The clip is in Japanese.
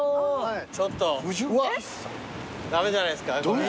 ちょっと駄目じゃないですかこれ。